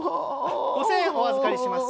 ５０００円お預かりします。